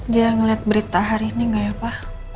dia ngeliat berita hari ini gak ya pa